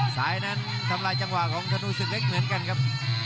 ซ้ายนั้นทำลายจังหวะของธนูศึกเล็กเหมือนกันครับ